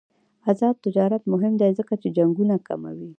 آزاد تجارت مهم دی ځکه چې جنګونه کموي.